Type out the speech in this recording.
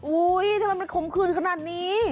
ทำไมมันขมคืนขนาดนี้